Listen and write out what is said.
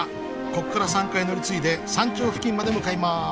ここから３回乗り継いで山頂付近まで向かいます。